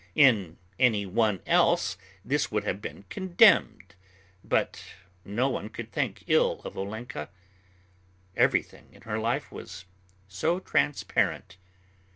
In any one else this would have been condemned; but no one could think ill of Olenka. Everything in her life was so transparent.